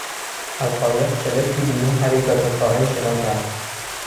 از قایق شلپی بیرون پرید و تا ساحل شنا کرد.